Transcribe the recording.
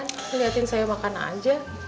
nih liatin saya makan aja